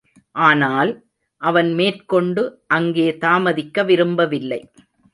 ஆனால், அவன் மேற்கொண்டு அங்கே தாமதிக்க விரும்பவில்லை.